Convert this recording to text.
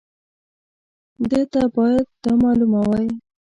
ده ته باید دا معلومه وای.